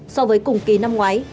so với cùng kỳ năm ngoái